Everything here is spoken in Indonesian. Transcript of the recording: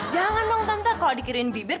jangan dong tante kalau dikirim bibir